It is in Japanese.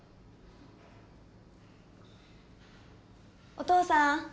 お父さん。